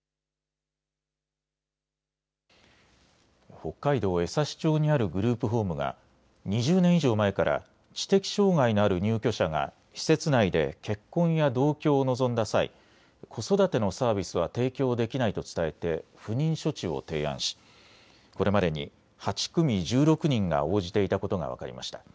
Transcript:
北海道江差町にあるグループホームが２０年以上前から知的障害のある入居者が施設内で結婚や同居を望んだ際、子育てのサービスは提供できないと伝えて不妊処置を提案しこれまでに８組１６人が応じていたことが分かりました。